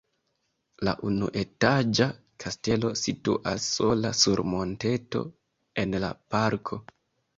La unuetaĝa kastelo situas sola sur monteto en la parko.